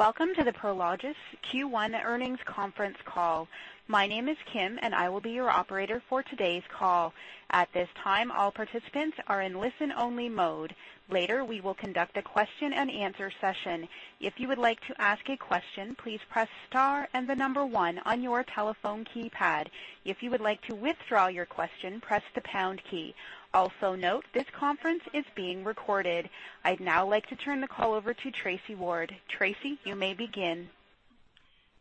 Welcome to the Prologis Q1 earnings conference call. My name is Kim, and I will be your operator for today's call. At this time, all participants are in listen-only mode. Later, we will conduct a question and answer session. If you would like to ask a question, please press star and the number one on your telephone keypad. If you would like to withdraw your question, press the pound key. Also note, this conference is being recorded. I'd now like to turn the call over to Tracy Ward. Tracy, you may begin.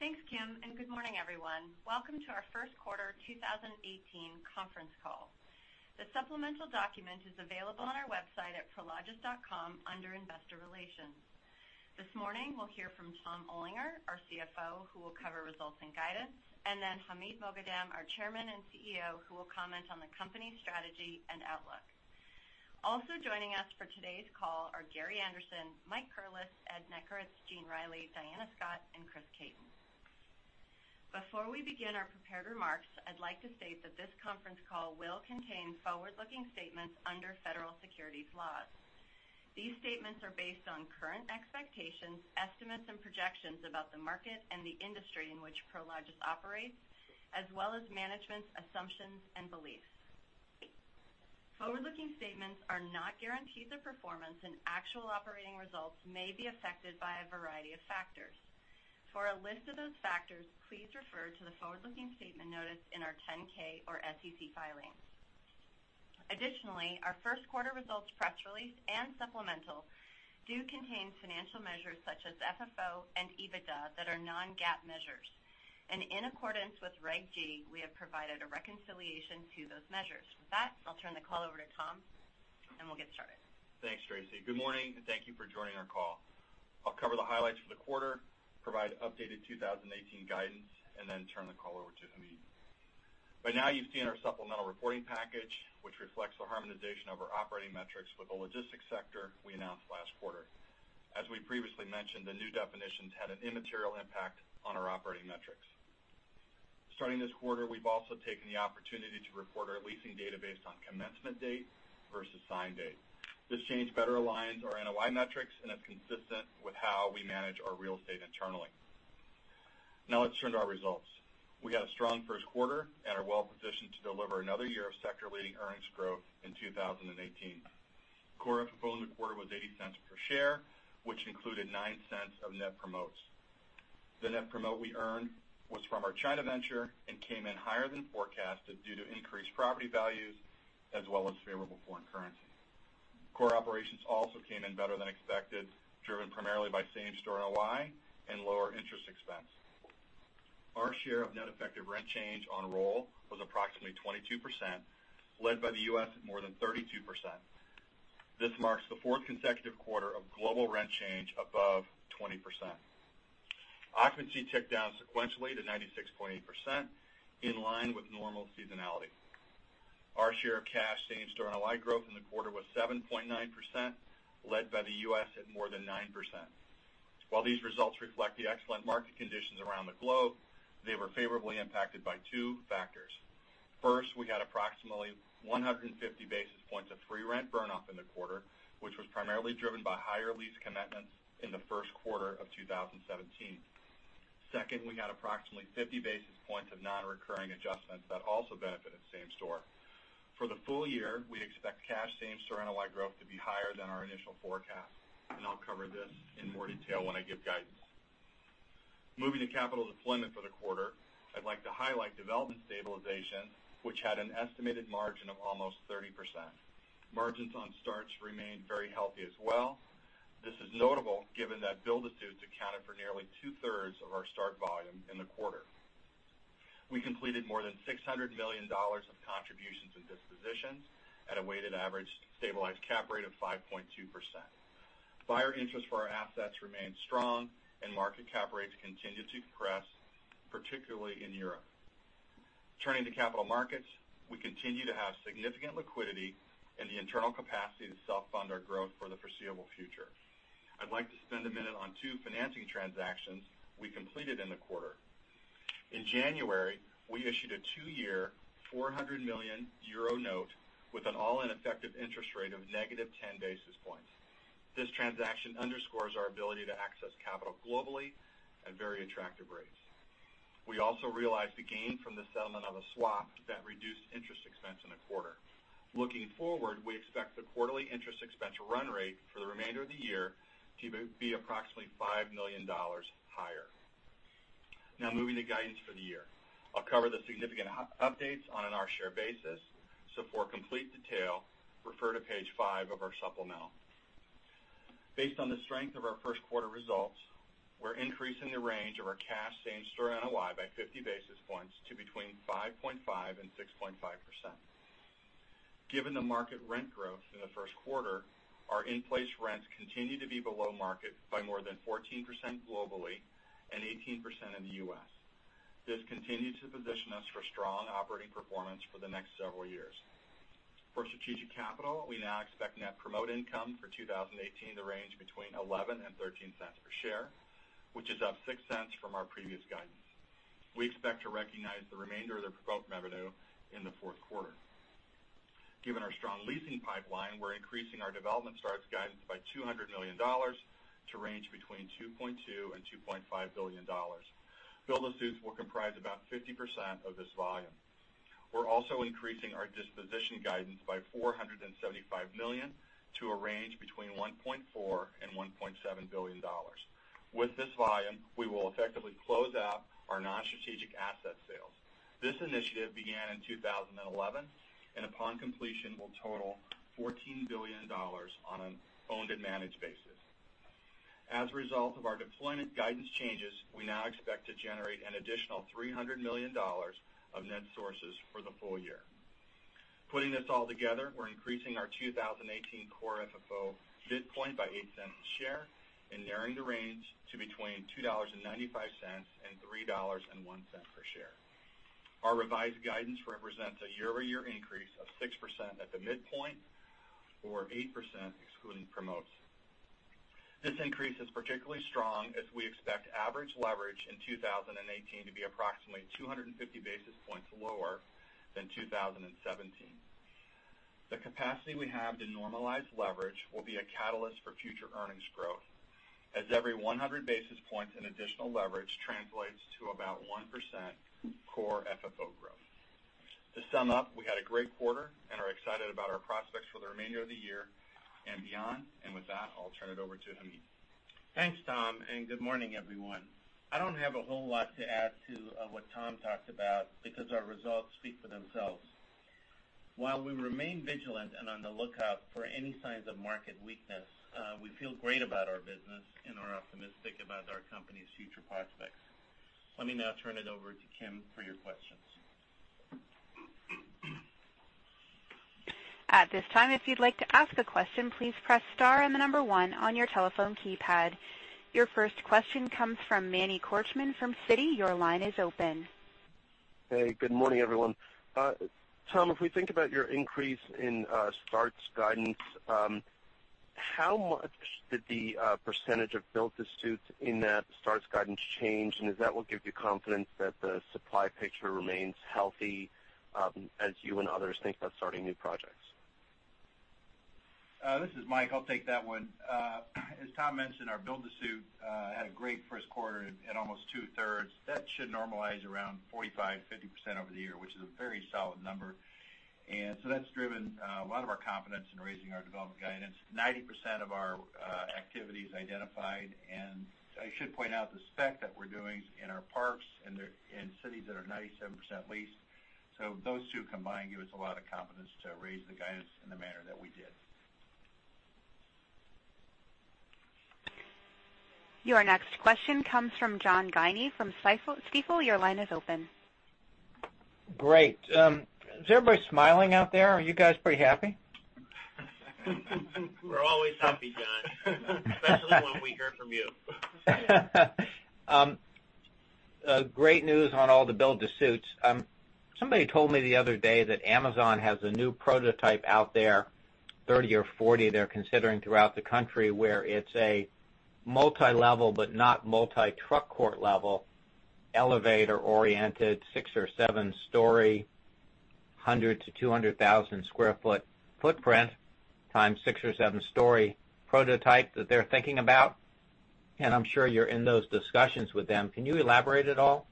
Thanks, Kim. Good morning, everyone. Welcome to our first quarter 2018 conference call. The supplemental document is available on our website at prologis.com under Investor Relations. This morning, we'll hear from Tom Olinger, our CFO, who will cover results and guidance. Then Hamid Moghadam, our Chairman and CEO, who will comment on the company strategy and outlook. Also joining us for today's call are Gary Anderson, Mike Curless, Ed Nekritz, Gene Reilly, Diana Scott, and Chris Caton. Before we begin our prepared remarks, I'd like to state that this conference call will contain forward-looking statements under federal securities laws. These statements are based on current expectations, estimates, and projections about the market and the industry in which Prologis operates, as well as management's assumptions and beliefs. Forward-looking statements are not guarantees of performance. Actual operating results may be affected by a variety of factors. For a list of those factors, please refer to the forward-looking statement notice in our 10K or SEC filings. Additionally, our first quarter results press release and supplemental do contain financial measures such as FFO and EBITDA that are non-GAAP measures. In accordance with Reg G, we have provided a reconciliation to those measures. With that, I'll turn the call over to Tom. We'll get started. Thanks, Tracy. Good morning. Thank you for joining our call. I'll cover the highlights for the quarter, provide updated 2018 guidance. Then turn the call over to Hamid. By now, you've seen our supplemental reporting package, which reflects the harmonization of our operating metrics with the logistics sector we announced last quarter. As we previously mentioned, the new definitions had an immaterial impact on our operating metrics. Starting this quarter, we've also taken the opportunity to report our leasing data based on commencement date versus sign date. This change better aligns our NOI metrics and is consistent with how we manage our real estate internally. Now let's turn to our results. We had a strong first quarter. Are well positioned to deliver another year of sector-leading earnings growth in 2018. Core FFO in the quarter was $0.80 per share, which included $0.09 of net promotes. The net promote we earned was from our China venture and came in higher than forecasted due to increased property values as well as favorable foreign currency. Core operations also came in better than expected, driven primarily by same-store NOI and lower interest expense. Our share of net effective rent change on roll was approximately 22%, led by the U.S. at more than 32%. This marks the fourth consecutive quarter of global rent change above 20%. Occupancy ticked down sequentially to 96.8%, in line with normal seasonality. Our share of cash same-store NOI growth in the quarter was 7.9%, led by the U.S. at more than 9%. While these results reflect the excellent market conditions around the globe, they were favorably impacted by two factors. We had approximately 150 basis points of free rent burn-off in the quarter, which was primarily driven by higher lease commitments in the first quarter of 2017. We had approximately 50 basis points of non-recurring adjustments that also benefited same-store. For the full year, we expect cash same-store NOI growth to be higher than our initial forecast, and I'll cover this in more detail when I give guidance. Moving to capital deployment for the quarter, I'd like to highlight development stabilization, which had an estimated margin of almost 30%. Margins on starts remained very healthy as well. This is notable given that build-to-suits accounted for nearly two-thirds of our start volume in the quarter. We completed more than $600 million of contributions and dispositions at a weighted average stabilized cap rate of 5.2%. Buyer interest for our assets remained strong, market cap rates continued to compress, particularly in Europe. Turning to capital markets, we continue to have significant liquidity and the internal capacity to self-fund our growth for the foreseeable future. I'd like to spend a minute on two financing transactions we completed in the quarter. In January, we issued a two-year, 400 million euro note with an all-in effective interest rate of negative 10 basis points. This transaction underscores our ability to access capital globally at very attractive rates. We also realized a gain from the settlement of a swap that reduced interest expense in the quarter. Looking forward, we expect the quarterly interest expense run rate for the remainder of the year to be approximately $5 million higher. Moving to guidance for the year, I'll cover the significant updates on an our-share basis. For complete detail, refer to page five of our supplemental. Based on the strength of our first quarter results, we're increasing the range of our cash same-store NOI by 50 basis points to between 5.5%-6.5%. Given the market rent growth in the first quarter, our in-place rents continue to be below market by more than 14% globally and 18% in the U.S. This continues to position us for strong operating performance for the next several years. For strategic capital, we now expect net promote income for 2018 to range between $0.11 and $0.13 per share, which is up $0.06 from our previous guidance. We expect to recognize the remainder of the promote revenue in the fourth quarter. Given our strong leasing pipeline, we're increasing our development starts guidance by $200 million to range between $2.2 billion-$2.5 billion. Build-to-suits will comprise about 50% of this volume. We are also increasing our disposition guidance by $475 million to a range between $1.4 billion and $1.7 billion. With this volume, we will effectively close out our non-strategic asset sales. This initiative began in 2011, and upon completion, will total $14 billion on an owned and managed basis. As a result of our capital deployment guidance changes, we now expect to generate an additional $300 million of net sources for the full year. Putting this all together, we are increasing our 2018 Core FFO midpoint by $0.08 a share and narrowing the range to between $2.95 and $3.01 per share. Our revised guidance represents a year-over-year increase of 6% at the midpoint, or 8% excluding promotes. This increase is particularly strong as we expect average leverage in 2018 to be approximately 250 basis points lower than 2017. The capacity we have to normalize leverage will be a catalyst for future earnings growth, as every 100 basis points in additional leverage translates to about 1% Core FFO growth. To sum up, we had a great quarter and are excited about our prospects for the remainder of the year and beyond. With that, I will turn it over to Hamid. Thanks, Tom, good morning, everyone. I do not have a whole lot to add to what Tom talked about because our results speak for themselves. While we remain vigilant and on the lookout for any signs of market weakness, we feel great about our business and are optimistic about our company's future prospects. Let me now turn it over to Kim for your questions. At this time, if you would like to ask a question, please press star and the number one on your telephone keypad. Your first question comes from Manny Korchman from Citi. Your line is open. Good morning, everyone. Tom, if we think about your increase in starts guidance, how much did the percentage of build-to-suits in that starts guidance change? Does that give you confidence that the supply picture remains healthy as you and others think about starting new projects? This is Mike. I'll take that one. As Tom mentioned, our build-to-suit had a great first quarter at almost two-thirds. That should normalize around 45%-50% over the year, which is a very solid number. That's driven a lot of our confidence in raising our development guidance. 90% of our activity is identified, and I should point out the spec that we're doing in our parks and cities that are 97% leased. Those two combined give us a lot of confidence to raise the guidance in the manner that we did. Your next question comes from John Guinee from Stifel. Your line is open. Great. Is everybody smiling out there? Are you guys pretty happy? We're always happy, John. Especially when we hear from you. Great news on all the build-to-suits. Somebody told me the other day that Amazon has a new prototype out there, 30 or 40 they're considering throughout the country, where it's a multi-level but not multi-truck court level, elevator-oriented, six or seven-story, 100,000-200,000 sq ft footprint times six or seven-story prototype that they're thinking about. I'm sure you're in those discussions with them. Can you elaborate at all?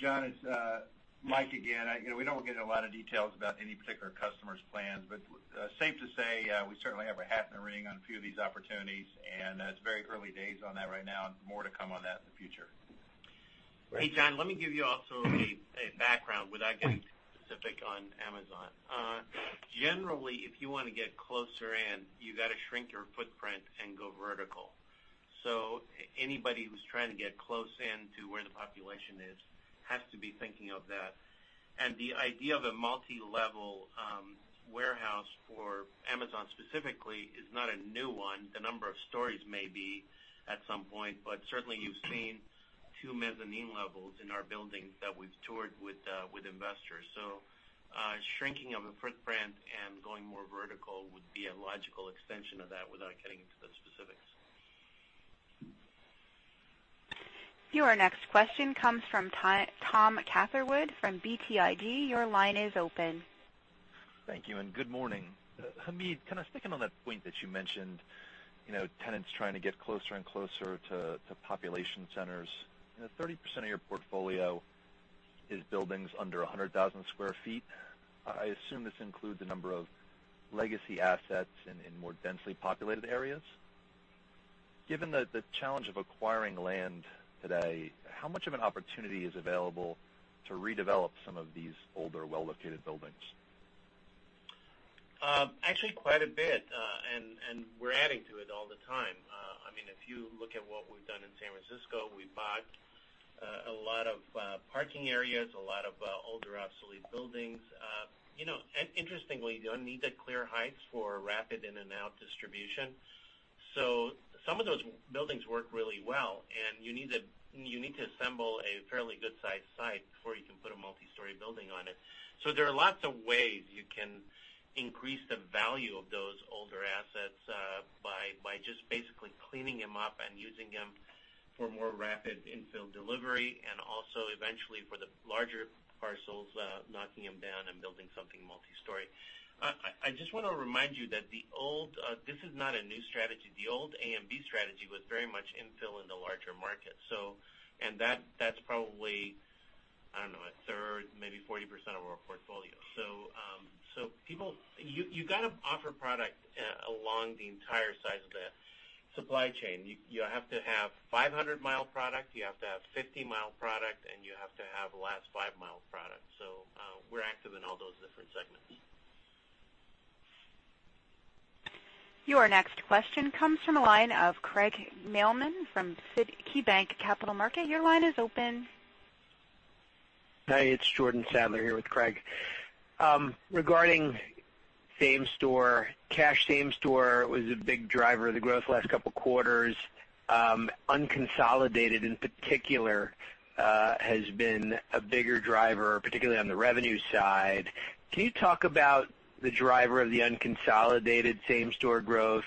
John, it's Mike again. We don't get a lot of details about any particular customer's plans. Safe to say, we certainly have our hat in the ring on a few of these opportunities. It's very early days on that right now, and more to come on that in the future. Hey, John, let me give you also a background without getting too specific on Amazon. Generally, if you want to get closer in, you got to shrink your footprint and go vertical. Anybody who's trying to get close in to where the population is, has to be thinking of that. The idea of a multi-level warehouse for Amazon specifically is not a new one. The number of stories may be at some point, but certainly you've seen two mezzanine levels in our buildings that we've toured with investors. Shrinking of the footprint and going more vertical would be a logical extension of that without getting into the specifics. Your next question comes from Tom Catherwood from BTIG. Your line is open. Thank you, and good morning. Hamid, kind of sticking on that point that you mentioned, tenants trying to get closer and closer to population centers. 30% of your portfolio is buildings under 100,000 sq ft. I assume this includes a number of legacy assets in more densely populated areas. Given the challenge of acquiring land today, how much of an opportunity is available to redevelop some of these older, well-located buildings? Actually, quite a bit, and we're adding to it all the time. If you look at what we've done in San Francisco, we bought a lot of parking areas, a lot of older, obsolete buildings. Interestingly, you don't need the clear heights for rapid in and out distribution. Some of those buildings work really well, and you need to assemble a fairly good-sized site before you can put a multi-story building on it. There are lots of ways you can increase the value of those older assets by just basically cleaning them up and using them for more rapid infill delivery, and also eventually for the larger parcels, knocking them down and building something multi-story. I just want to remind you that this is not a new strategy. The old A and B strategy was very much infill in the larger market. That's probably, I don't know, a third, maybe 40% of our portfolio. You got to offer product along the entire size of the supply chain. You have to have 500-mile product, you have to have 50-mile product, and you have to have last five-mile product. We're active in all those different segments. Your next question comes from the line of Craig Mailman from KeyBanc Capital Markets. Your line is open. Hey, it's Jordan Sadler here with Craig. Regarding same store, cash same store was a big driver of the growth the last couple of quarters. Unconsolidated, in particular, has been a bigger driver, particularly on the revenue side. Can you talk about the driver of the unconsolidated same-store growth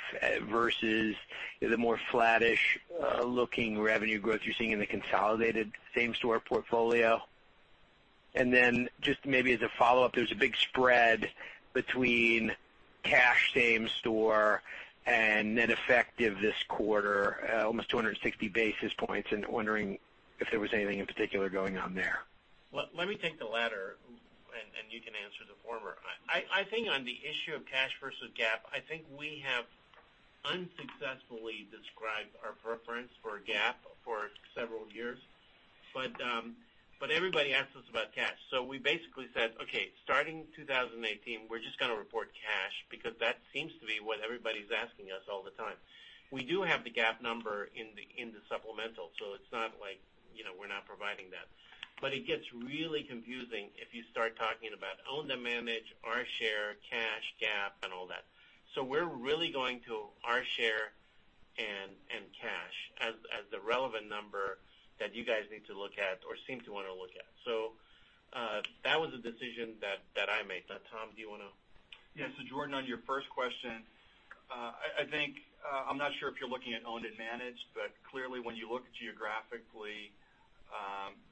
versus the more flattish-looking revenue growth you're seeing in the consolidated same-store portfolio? Then just maybe as a follow-up, there's a big spread between cash same store and net effective this quarter, almost 260 basis points. Wondering if there was anything in particular going on there. Well, let me take the latter. You can answer the former. I think on the issue of cash versus GAAP, I think we have unsuccessfully described our preference for GAAP for several years. Everybody asks us about cash. We basically said, "Okay, starting 2018, we're just going to report cash because that seems to be what everybody's asking us all the time." We do have the GAAP number in the supplemental. It's not like we're not providing that. It gets really confusing if you start talking about own to manage, our share, cash, GAAP, and all that. We're really going to our share and cash as the relevant number that you guys need to look at or seem to want to look at. That was a decision that I made. Now, Tom, do you want to Yeah. Jordan, on your first question, I'm not sure if you're looking at owned and managed. Clearly, when you look geographically,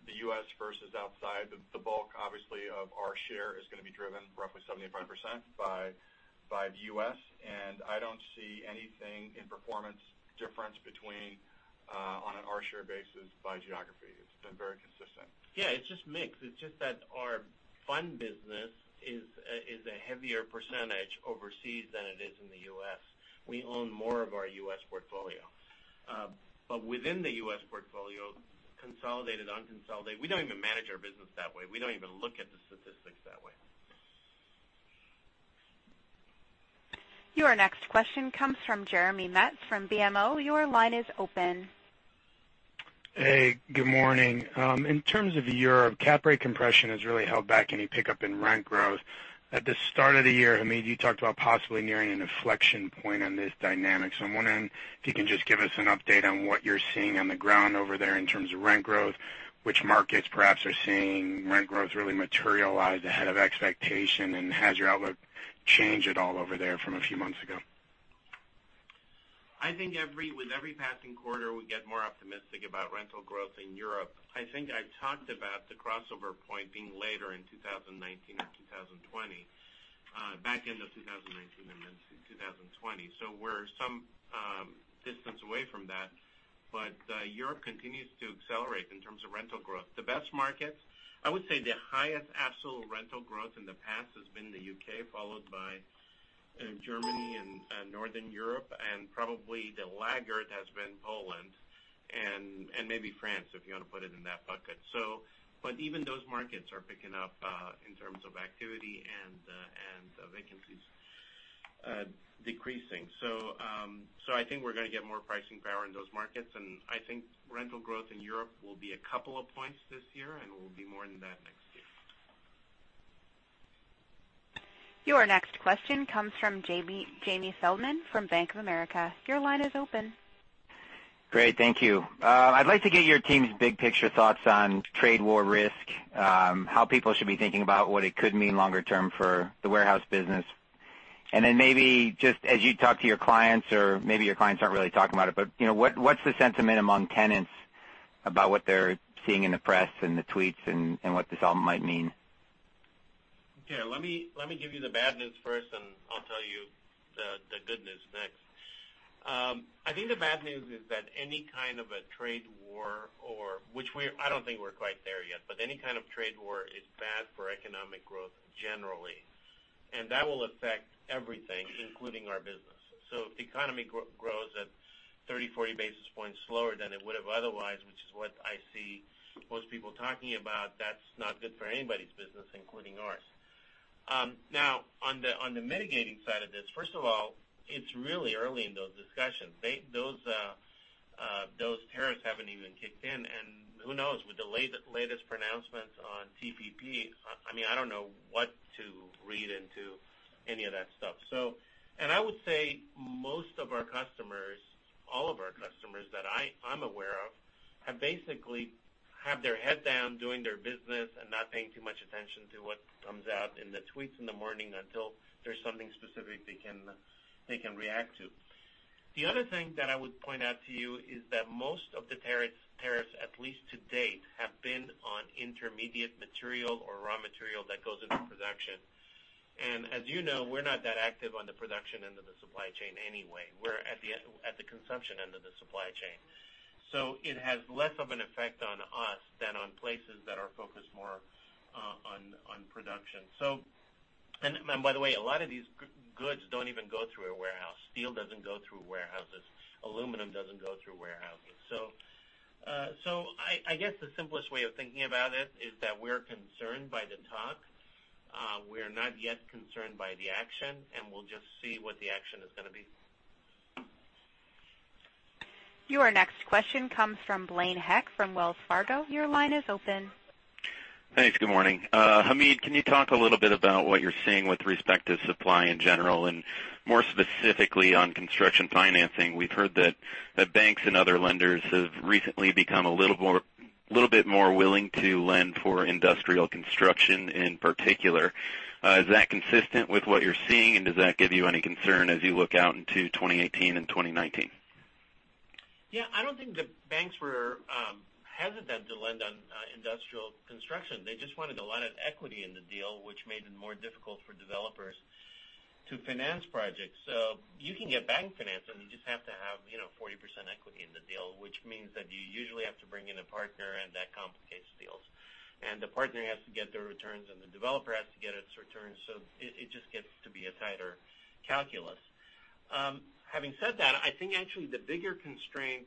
the U.S. versus outside the bulk, obviously, of our share is going to be driven roughly 75% by the U.S. I don't see anything in performance difference between on an our share basis by geography. It's been very consistent. It's just mix. It's just that our fund business is a heavier percentage overseas than it is in the U.S. We own more of our U.S. portfolio. Within the U.S. portfolio, consolidated, unconsolidated, we don't even manage our business that way. We don't even look at the statistics that way. Your next question comes from Jeremy Metz from BMO. Your line is open. Hey, good morning. In terms of Europe, cap rate compression has really held back any pickup in rent growth. At the start of the year, Hamid, you talked about possibly nearing an inflection point on this dynamic. I'm wondering if you can just give us an update on what you're seeing on the ground over there in terms of rent growth, which markets perhaps are seeing rent growth really materialize ahead of expectation, and has your outlook changed at all over there from a few months ago? I think with every passing quarter, we get more optimistic about rental growth in Europe. I think I've talked about the crossover point being later in 2019 or 2020, back end of 2019 and then 2020. We're some distance away from that, but Europe continues to accelerate in terms of rental growth. The best markets, I would say the highest absolute rental growth in the past has been the U.K., followed by Germany and Northern Europe, and probably the laggard has been Poland, and maybe France, if you want to put it in that bucket. Even those markets are picking up, in terms of activity and vacancies decreasing. I think we're going to get more pricing power in those markets, and I think rental growth in Europe will be a couple of points this year, and it will be more than that next year. Your next question comes from Jamie Feldman from Bank of America. Your line is open. Great. Thank you. I'd like to get your team's big-picture thoughts on trade war risk, how people should be thinking about what it could mean longer term for the warehouse business. Then maybe just as you talk to your clients, or maybe your clients aren't really talking about it, but what's the sentiment among tenants about what they're seeing in the press and the tweets and what this all might mean? Yeah, let me give you the bad news first, and I'll tell you the good news next. I think the bad news is that any kind of a trade war, which I don't think we're quite there yet, but any kind of trade war is bad for economic growth generally. That will affect everything, including our business. If the economy grows at 30, 40 basis points slower than it would have otherwise, which is what I see most people talking about, that's not good for anybody's business, including ours. Now, on the mitigating side of this, first of all, it's really early in those discussions. Those tariffs haven't even kicked in, and who knows, with the latest pronouncements on TPP, I don't know what to read into any of that stuff. I would say most of our customers, all of our customers that I'm aware of basically have their head down doing their business and not paying too much attention to what comes out in the tweets in the morning until there's something specific they can react to. The other thing that I would point out to you is that most of the tariffs, at least to date, have been on intermediate material or raw material that goes into production. As you know, we're not that active on the production end of the supply chain anyway. We're at the consumption end of the supply chain. It has less of an effect on us than on places that are focused more on production. By the way, a lot of these goods don't even go through a warehouse. Steel doesn't go through warehouses, aluminum doesn't go through warehouses. I guess the simplest way of thinking about it is that we're concerned by the talk. We're not yet concerned by the action, and we'll just see what the action is going to be. Your next question comes from Blaine Heck from Wells Fargo. Your line is open. Thanks. Good morning. Hamid, can you talk a little bit about what you're seeing with respect to supply in general, and more specifically on construction financing? We've heard that banks and other lenders have recently become a little bit more willing to lend for industrial construction in particular. Is that consistent with what you're seeing, and does that give you any concern as you look out into 2018 and 2019? I don't think the banks were hesitant to lend on industrial construction. They just wanted a lot of equity in the deal, which made it more difficult for developers to finance projects. You can get bank financing, you just have to have 40% equity in the deal, which means that you usually have to bring in a partner, and that complicates deals. The partner has to get the returns, and the developer has to get its returns, so it just gets to be a tighter calculus. Having said that, I think actually the bigger constraint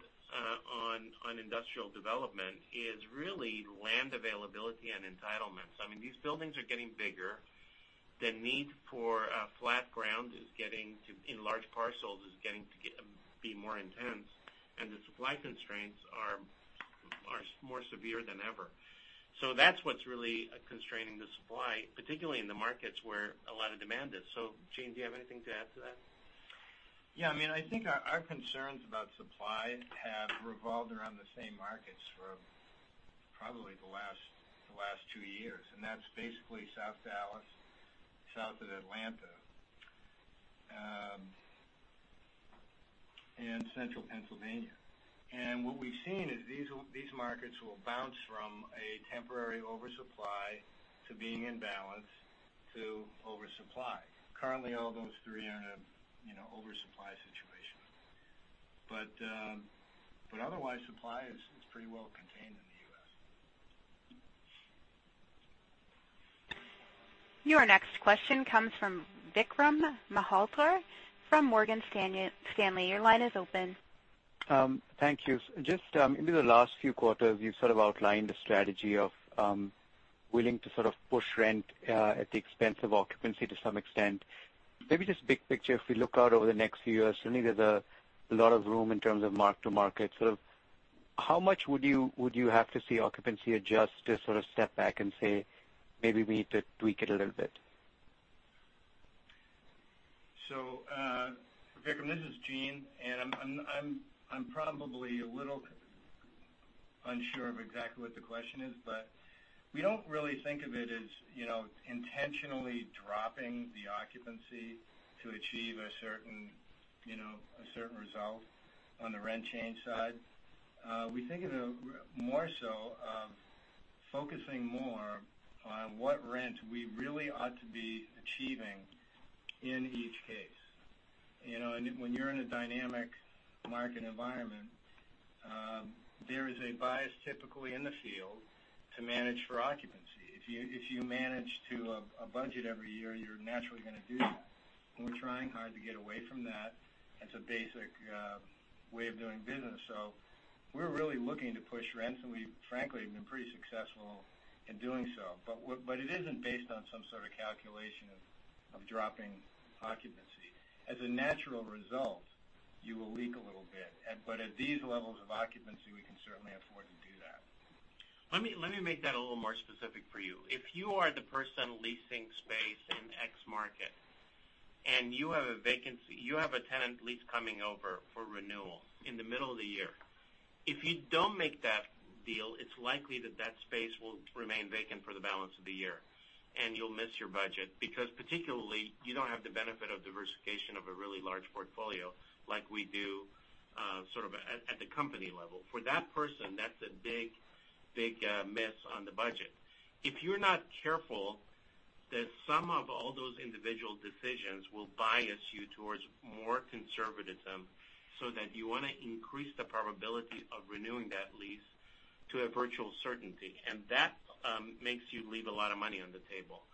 on industrial development is really land availability and entitlements. These buildings are getting bigger. The need for flat ground in large parcels is getting to be more intense, and the supply constraints are more severe than ever. That's what's really constraining the supply, particularly in the markets where a lot of demand is. Gene, do you have anything to add to that? Yeah, Hamid, I think our concerns about supply have revolved around the same markets for probably the last two years, and that's basically South Dallas, south of Atlanta, and central Pennsylvania. What we've seen is these markets will bounce from a temporary oversupply to being in balance to oversupply. Currently, all those three are in an oversupply situation. Otherwise, supply is pretty well contained in the U.S. Your next question comes from Vikram Malhotra from Morgan Stanley. Your line is open. Thank you. Just in the last few quarters, you sort of outlined a strategy of willing to sort of push rent at the expense of occupancy to some extent. Maybe just big picture, if we look out over the next few years, certainly there's a lot of room in terms of mark-to-market. How much would you have to see occupancy adjust to sort of step back and say, maybe we need to tweak it a little bit? Vikram, this is Gene, I'm probably a little unsure of exactly what the question is, we don't really think of it as intentionally dropping the occupancy to achieve a certain result on the rent change side. We think of it more so of focusing more on what rent we really ought to be achieving in each case. When you're in a dynamic market environment, there is a bias typically in the field to manage for occupancy. If you manage to a budget every year, you're naturally going to do that. We're trying hard to get away from that as a basic way of doing business. We're really looking to push rents, and we frankly have been pretty successful in doing so. It isn't based on some sort of calculation of dropping occupancy. As a natural result, you will leak a little bit. At these levels of occupancy, we can certainly afford to do that. Let me make that a little more specific for you. If you are the person leasing space in X market and you have a tenant lease coming over for renewal in the middle of the year, if you don't make that deal, it's likely that that space will remain vacant for the balance of the year, and you'll miss your budget because particularly, you don't have the benefit of diversification of a really large portfolio like we do sort of at the company level. For that person, that's a big miss on the budget. If you're not careful, the sum of all those individual decisions will bias you towards more conservatism so that you want to increase the probability of renewing that lease to a virtual certainty. That makes you leave a lot of money on the table.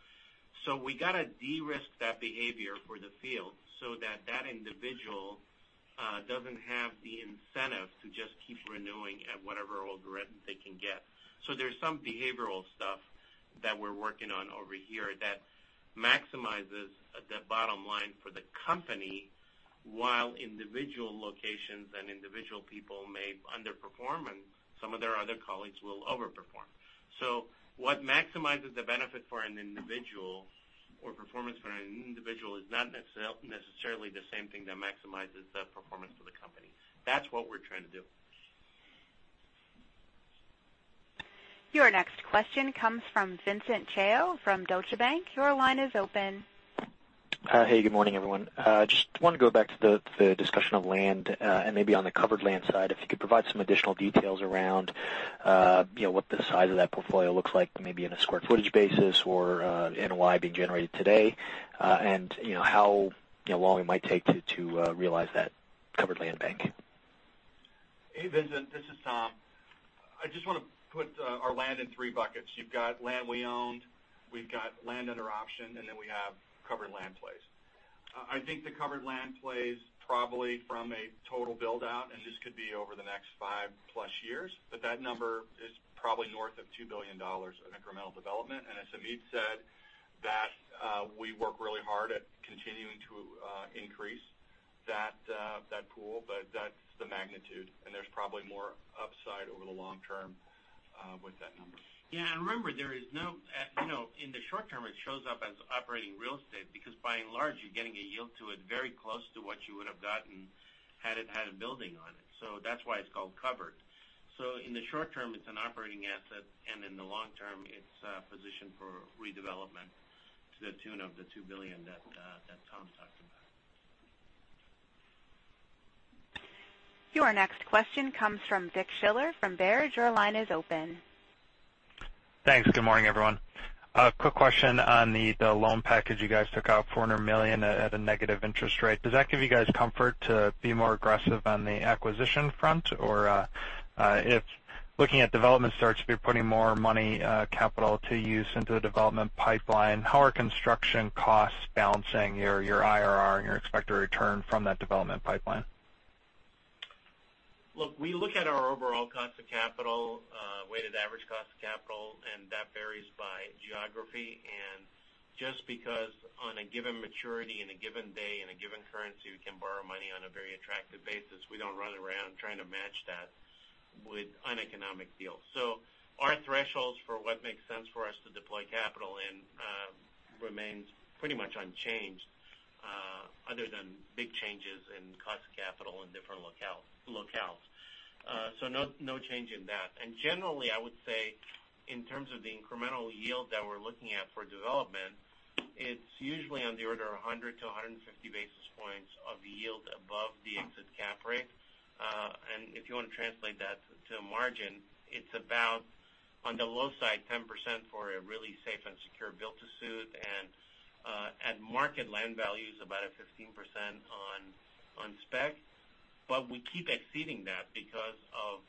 We got to de-risk that behavior for the field so that that individual doesn't have the incentive to just keep renewing at whatever old rent they can get. There's some behavioral stuff that we're working on over here that maximizes the bottom line for the company, while individual locations and individual people may underperform, and some of their other colleagues will overperform. What maximizes the benefit for an individual or performance for an individual is not necessarily the same thing that maximizes the performance for the company. That's what we're trying to do. Your next question comes from Vincent Chao from Deutsche Bank. Your line is open. Hey, good morning, everyone. Just want to go back to the discussion of land, and maybe on the covered land side, if you could provide some additional details around what the size of that portfolio looks like, maybe on a square footage basis or NOI being generated today, and how long it might take to realize that covered land bank. Hey, Vincent, this is Tom. I just want to put our land in three buckets. You've got land we own, we've got land under option, and then we have covered land plays. I think the covered land plays probably from a total build-out, and this could be over the next five-plus years, but that number is probably north of $2 billion of incremental development. As Hamid Moghadam said, that we work really hard at continuing to increase that pool, but that's the magnitude, and there's probably more upside over the long term with that number. Yeah, remember, in the short term, it shows up as operating real estate because by and large, you're getting a yield to it very close to what you would have gotten had it had a building on it. That's why it's called covered. In the short term, it's an operating asset, and in the long term, it's positioned for redevelopment to the tune of the $2 billion that Tom's talking about. Your next question comes from Dick Schiller from Baird. Your line is open. Thanks. Good morning, everyone. A quick question on the loan package you guys took out, $400 million at a negative interest rate. Does that give you guys comfort to be more aggressive on the acquisition front? Or if looking at development starts, if you're putting more money, capital to use into the development pipeline, how are construction costs balancing your IRR and your expected return from that development pipeline? Look, we look at our overall cost of capital, weighted average cost of capital, that varies by geography. Just because on a given maturity in a given day in a given currency, we can borrow money on a very attractive basis, we don't run around trying to match that with uneconomic deals. Our thresholds for what makes sense for us to deploy capital in remains pretty much unchanged, other than big changes in cost of capital in different locales. No change in that. Generally, I would say, in terms of the incremental yield that we're looking at for development, it's usually on the order of 100-150 basis points of yield above the exit cap rate. If you want to translate that to a margin, it's about, on the low side, 10% for a really safe and secure build-to-suit, and at market land values, about a 15% on spec. We keep exceeding that because of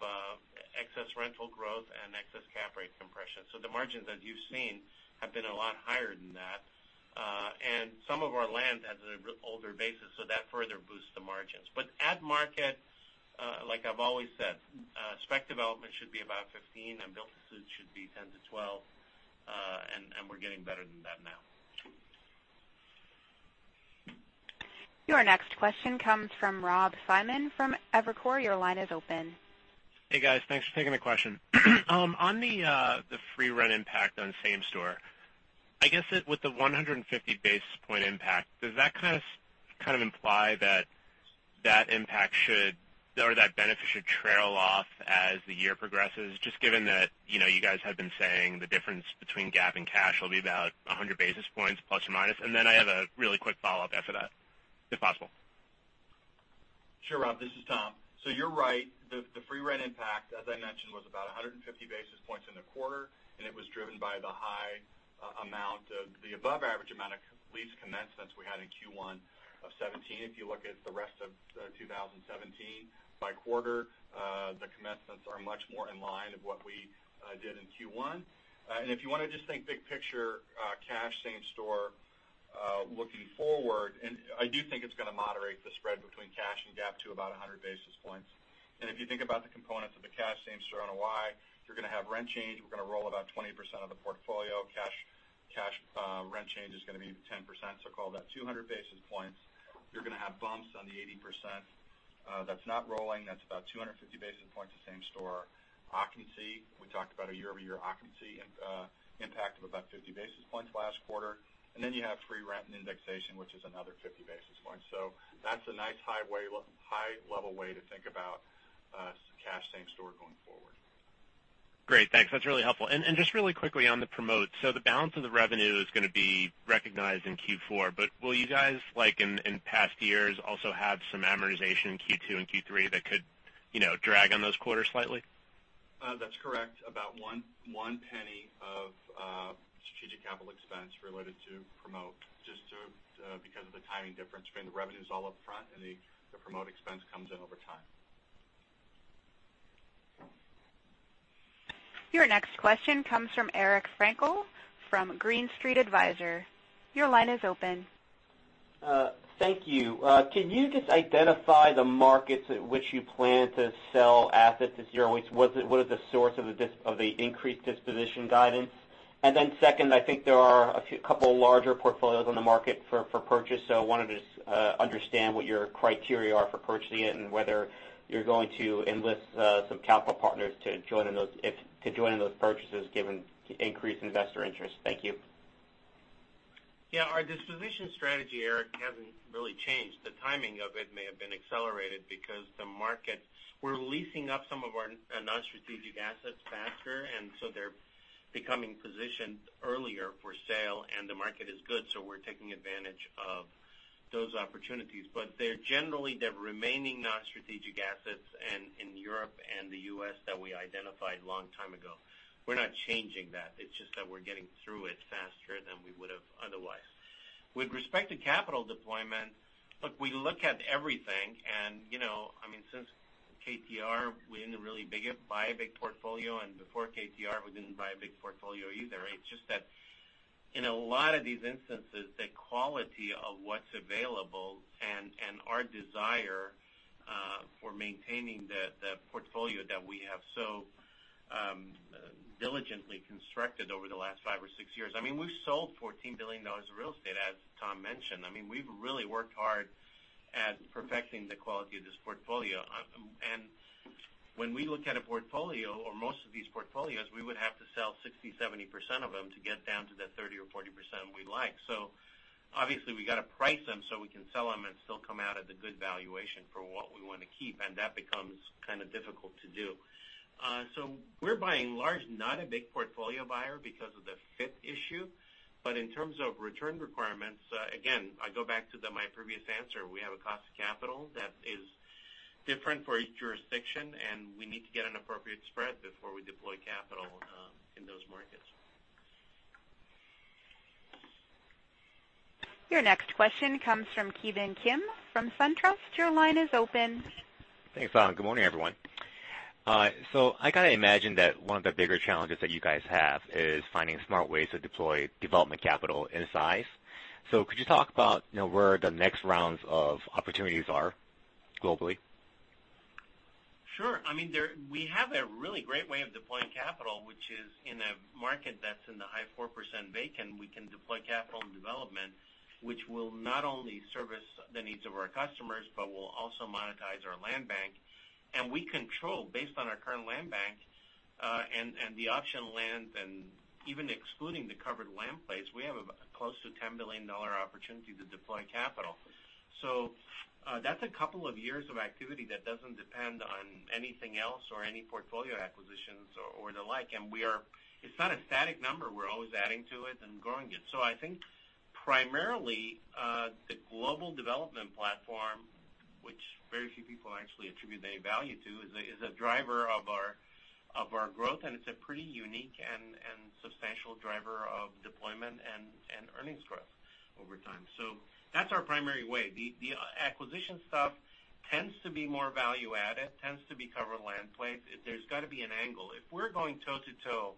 excess rental growth and excess cap rate compression. The margins that you've seen have been a lot higher than that. Some of our land has an older basis, so that further boosts the margins. But at market, like I've always said, spec development should be about 15%, and build-to-suit should be 10%-12%, and we're getting better than that now. Your next question comes from Rob Simone from Evercore. Your line is open. Hey, guys. Thanks for taking the question. On the free rent impact on same store, I guess with the 150-basis point impact, does that kind of imply that that benefit should trail off as the year progresses, just given that you guys have been saying the difference between GAAP and cash will be about 100 basis points plus or minus? Then I have a really quick follow-up after that, if possible. Sure, Rob. This is Tom. You're right. The free rent impact, as I mentioned, was about 150 basis points in the quarter, and it was driven by the above average amount of lease commencements we had in Q1 of 2017. If you look at the rest of 2017 by quarter, the commencements are much more in line of what we did in Q1. If you want to just think big picture, cash same store looking forward, I do think it's going to moderate the spread between cash and GAAP to about 100 basis points. If you think about the components of the cash same store NOI, you're going to have rent change. We're going to roll about 20% of the portfolio. Cash rent change is going to be 10%, so call that 200 basis points. You're going to have bumps on the 80% that's not rolling. That's about 250 basis points of same store occupancy. We talked about a year-over-year occupancy impact of about 50 basis points last quarter. Then you have free rent and indexation, which is another 50 basis points. That's a nice high-level way to think about cash same store going forward. Great. Thanks. That is really helpful. Just really quickly on the promote. The balance of the revenue is going to be recognized in Q4, will you guys, like in past years, also have some amortization in Q2 and Q3 that could drag on those quarters slightly? That is correct. About $0.01 of strategic capital expense related to promote, just because of the timing difference between the revenue is all up front and the promote expense comes in over time. Your next question comes from Eric Frankel from Green Street Advisors. Your line is open. Thank you. Can you just identify the markets at which you plan to sell assets this year? What is the source of the increased disposition guidance? Second, I think there are a couple larger portfolios on the market for purchase. I wanted to understand what your criteria are for purchasing it and whether you're going to enlist some capital partners to join in those purchases given increased investor interest. Thank you. Our disposition strategy, Eric, hasn't really changed. The timing of it may have been accelerated because we're leasing up some of our non-strategic assets faster. They're becoming positioned earlier for sale. The market is good, so we're taking advantage of those opportunities. They're generally the remaining non-strategic assets in Europe and the U.S. that we identified a long time ago. We're not changing that. It's just that we're getting through it faster than we would've otherwise. With respect to capital deployment, look, we look at everything. Since KTR, we didn't really buy a big portfolio. Before KTR, we didn't buy a big portfolio either. It's just that in a lot of these instances, the quality of what's available and our desire for maintaining the portfolio that we have so diligently constructed over the last five or six years. We've sold $14 billion of real estate, as Tom mentioned. We've really worked hard at perfecting the quality of this portfolio. When we look at a portfolio or most of these portfolios, we would have to sell 60%-70% of them to get down to the 30% or 40% we like. Obviously, we got to price them so we can sell them and still come out at the good valuation for what we want to keep. That becomes kind of difficult to do. We're by and large, not a big portfolio buyer because of the fit issue, but in terms of return requirements, again, I go back to my previous answer. We have a cost of capital that is different for each jurisdiction, and we need to get an appropriate spread before we deploy capital in those markets. Your next question comes from Ki Bin Kim from SunTrust. Your line is open. Thanks. Good morning, everyone. I kind of imagine that one of the bigger challenges that you guys have is finding smart ways to deploy development capital in size. Could you talk about where the next rounds of opportunities are globally? Sure. We have a really great way of deploying capital, which is in a market that's in the high 4% vacant, we can deploy capital and development, which will not only service the needs of our customers, but will also monetize our land bank. We control, based on our current land bank, and the option land, and even excluding the covered land plays, we have close to a $10 billion opportunity to deploy capital. That's a couple of years of activity that doesn't depend on anything else or any portfolio acquisitions or the like. It's not a static number. We're always adding to it and growing it. I think primarily, the global development platform, which very few people actually attribute any value to, is a driver of our growth, and it's a pretty unique and substantial driver of deployment and earnings growth over time. That's our primary way. The acquisition stuff tends to be more value-added, tends to be covered land plays. There's got to be an angle. If we're going toe to toe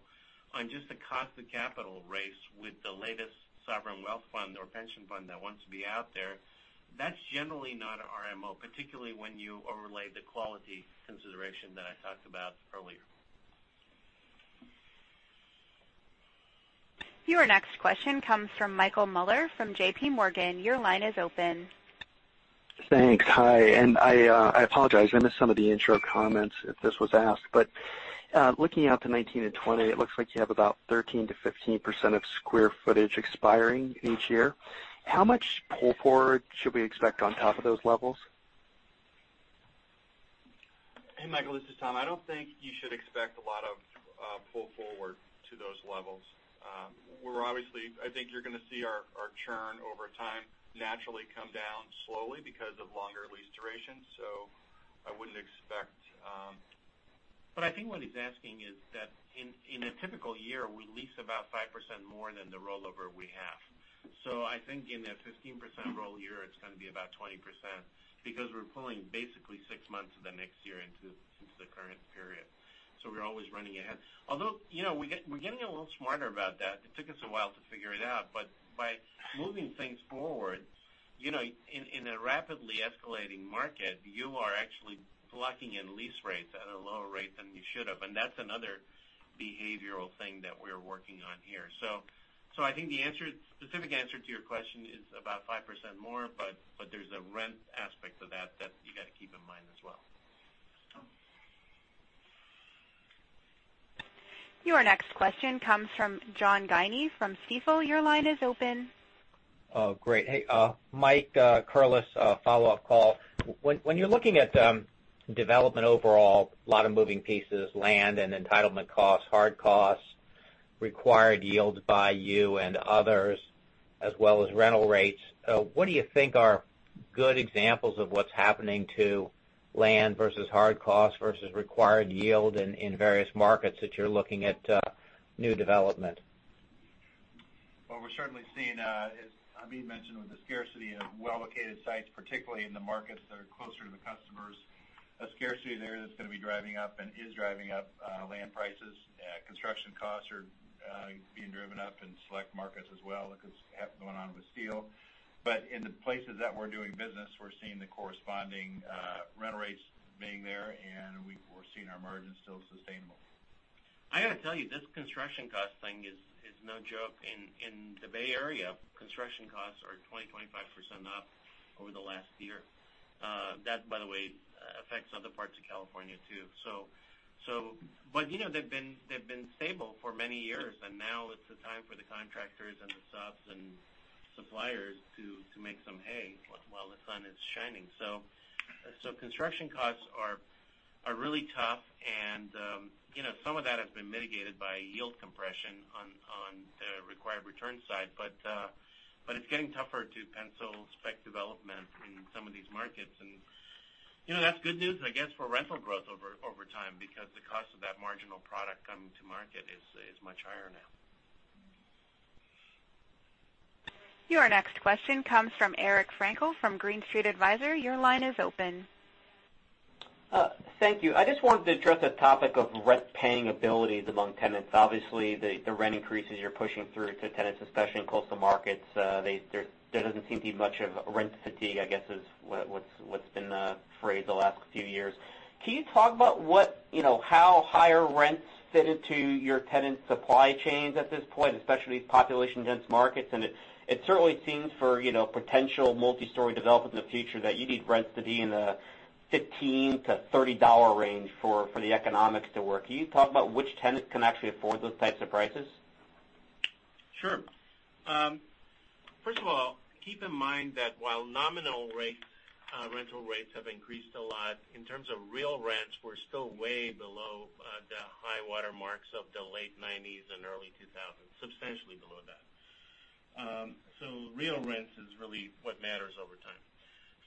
on just a cost of capital race with the latest sovereign wealth fund or pension fund that wants to be out there, that's generally not our MO, particularly when you overlay the quality consideration that I talked about earlier. Your next question comes from Michael Mueller from JP Morgan. Your line is open. Thanks. Hi. I apologize. I missed some of the intro comments if this was asked. Looking out to 2019 and 2020, it looks like you have about 13%-15% of square footage expiring each year. How much pull-forward should we expect on top of those levels? Hey, Michael, this is Tom. I don't think you should expect a lot of pull-forward to those levels. I think you're going to see our churn over time naturally come down slowly because of longer lease duration. I wouldn't expect. I think what he's asking is that in a typical year, we lease about 5% more than the rollover we have. I think in a 15% roll year, it's going to be about 20% because we're pulling basically 6 months of the next year into the current period. We're always running ahead. Although, we're getting a little smarter about that. It took us a while to figure it out, but by moving things forward, in a rapidly escalating market, you are actually locking in lease rates at a lower rate than you should have, and that's another behavioral thing that we're working on here. I think the specific answer to your question is about 5% more, but there's a rent aspect to that that you got to keep in mind as well. Your next question comes from John Guinee from Stifel. Your line is open. Oh, great. Hey, Mike Curless, follow-up call. When you're looking at development overall, a lot of moving pieces, land and entitlement costs, hard costs, required yields by you and others, as well as rental rates, what do you think are good examples of what's happening to land versus hard costs versus required yield in various markets that you're looking at new development? Well, we're certainly seeing, as Hamid Moghadam mentioned, with the scarcity of well-located sites, particularly in the markets that are closer to the customers, a scarcity there that's going to be driving up and is driving up land prices. Construction costs are being driven- Up in select markets as well because of what's going on with steel. In the places that we're doing business, we're seeing the corresponding rent rates being there, and we're seeing our margins still sustainable. I got to tell you, this construction cost thing is no joke. In the Bay Area, construction costs are 20%-25% up over the last year. That, by the way, affects other parts of California too. They've been stable for many years, and now it's the time for the contractors and the subs and suppliers to make some hay while the sun is shining. Construction costs are really tough and some of that has been mitigated by yield compression on the required return side. It's getting tougher to pencil spec development in some of these markets. That's good news, I guess, for rental growth over time, because the cost of that marginal product coming to market is much higher now. Your next question comes from Eric Frankel from Green Street Advisors. Your line is open. Thank you. I just wanted to address the topic of rent-paying abilities among tenants. Obviously, the rent increases you're pushing through to tenants, especially in coastal markets, there doesn't seem to be much of rent fatigue, I guess is what's been the phrase the last few years. Can you talk about how higher rents fit into your tenant supply chains at this point, especially population-dense markets? It certainly seems for potential multi-story development in the future, that you need rents to be in the $15-$30 range for the economics to work. Can you talk about which tenants can actually afford those types of prices? Sure. First of all, keep in mind that while nominal rental rates have increased a lot, in terms of real rents, we're still way below the high water marks of the late '90s and early 2000s, substantially below that.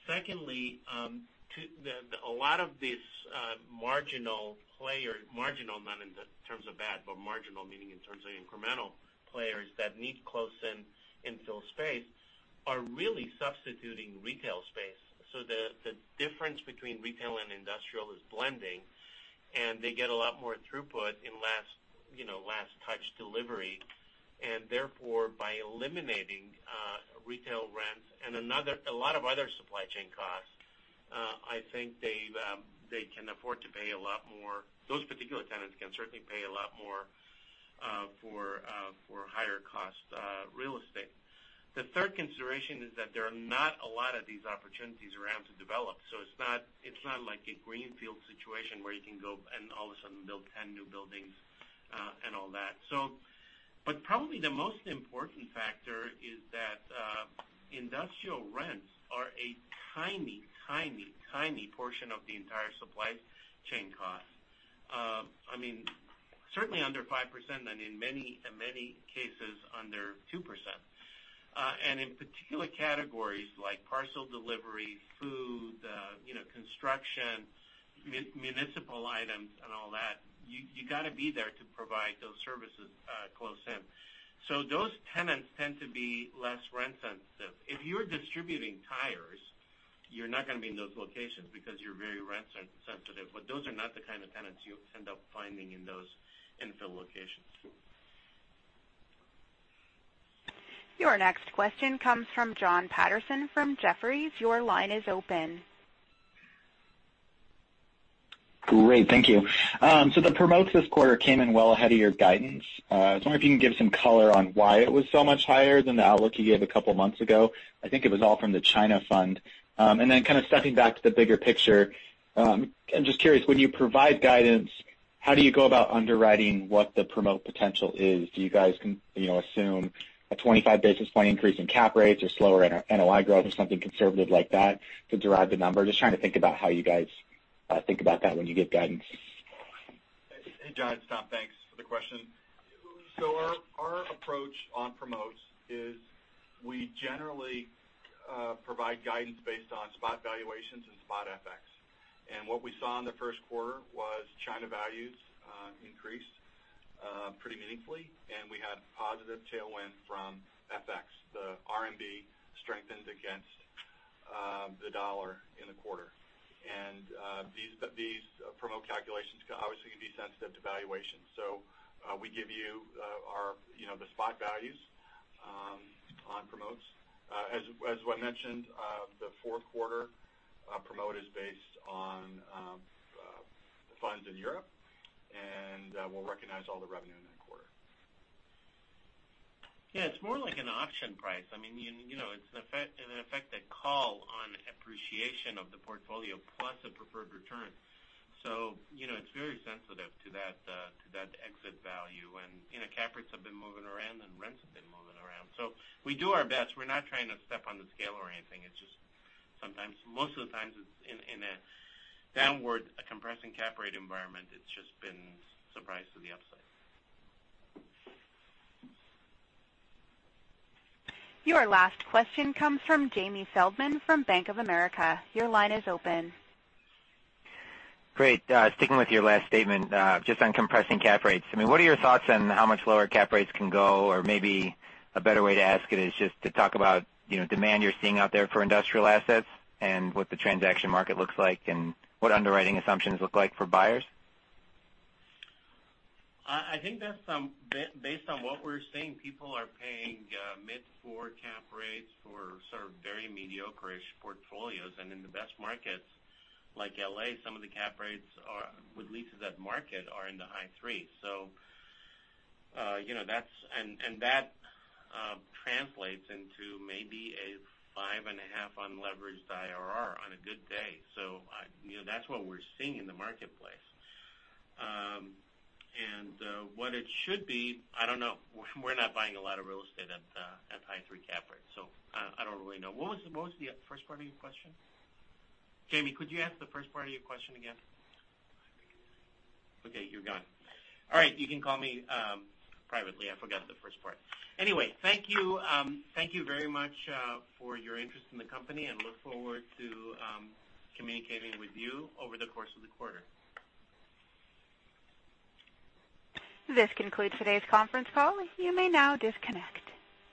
Secondly, a lot of these marginal players, marginal not in the terms of bad, but marginal meaning in terms of incremental players that need close-in infill space, are really substituting retail space. The difference between retail and industrial is blending, and they get a lot more throughput in last touch delivery. Therefore, by eliminating retail rent and a lot of other supply chain costs, I think those particular tenants can certainly pay a lot more for higher-cost real estate. The third consideration is that there are not a lot of these opportunities around to develop. It's not like a greenfield situation where you can go and all of a sudden build 10 new buildings and all that. Probably the most important factor is that industrial rents are a tiny portion of the entire supply chain cost. Certainly under 5%, and in many cases, under 2%. In particular categories like parcel delivery, food, construction, municipal items, and all that, you got to be there to provide those services close in. Those tenants tend to be less rent sensitive. If you're distributing tires, you're not going to be in those locations because you're very rent sensitive. Those are not the kind of tenants you end up finding in those infill locations. Your next question comes from Jon Petersen from Jefferies. Your line is open. Great. Thank you. The promotes this quarter came in well ahead of your guidance. I was wondering if you can give some color on why it was so much higher than the outlook you gave a couple of months ago. I think it was all from the China fund. Then kind of stepping back to the bigger picture, I'm just curious, when you provide guidance, how do you go about underwriting what the promote potential is? Do you guys assume a 25-basis point increase in cap rates or slower NOI growth or something conservative like that to derive the number? Just trying to think about how you guys think about that when you give guidance. Hey, Jon, it's Tom. Thanks for the question. Our approach on promotes is we generally provide guidance based on spot valuations and spot FX. What we saw in the first quarter was China values increased pretty meaningfully, and we had positive tailwind from FX. The RMB strengthened against the dollar in the quarter. These promote calculations can obviously be sensitive to valuation. We give you the spot values on promotes. As I mentioned, the fourth quarter promote is based on funds in Europe, and we'll recognize all the revenue in that quarter. Yeah, it's more like an option price. It's an effective call on appreciation of the portfolio plus a preferred return. It's very sensitive to that exit value. Cap rates have been moving around, and rents have been moving around. We do our best. We're not trying to step on the scale or anything. It's just most of the times, it's in a downward, a compressing cap rate environment. It's just been surprised to the upside. Your last question comes from Jamie Feldman from Bank of America. Your line is open. Great. Sticking with your last statement, just on compressing cap rates. What are your thoughts on how much lower cap rates can go? Or maybe a better way to ask it is just to talk about demand you're seeing out there for industrial assets and what the transaction market looks like and what underwriting assumptions look like for buyers. Based on what we're seeing, people are paying mid-four cap rates for sort of very mediocre-ish portfolios. In the best markets, like L.A., some of the cap rates with leases at market are in the high threes. That translates into maybe a 5.5 on leveraged IRR on a good day. That's what we're seeing in the marketplace. What it should be, I don't know. We're not buying a lot of real estate at high-3 cap rates, so I don't really know. What was the first part of your question? Jamie, could you ask the first part of your question again? Okay, you're gone. All right, you can call me privately. I forgot the first part. Anyway, thank you very much for your interest in the company, and look forward to communicating with you over the course of the quarter. This concludes today's conference call. You may now disconnect.